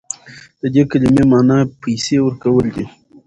د دې کلمې معنی پیسې ورکول دي.